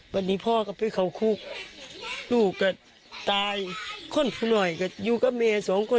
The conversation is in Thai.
วันนี้พ่อก็ไปเข้าคุกลูกก็ตายคนหน่อยก็อยู่กับแม่สองคน